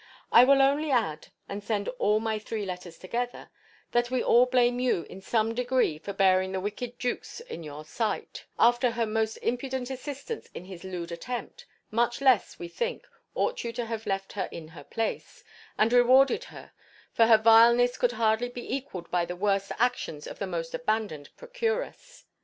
I will only add (and send all my three letters together), that we all blame you in some degree for bearing the wicked Jewkes in your sight, after her most impudent assistance in his lewd attempt; much less, we think, ought you to have left her in her place, and rewarded her; for her vileness could hardly be equalled by the worst actions of the most abandoned procuress.